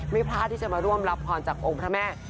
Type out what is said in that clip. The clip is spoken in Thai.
พลาดที่จะมาร่วมรับพรจากองค์พระแม่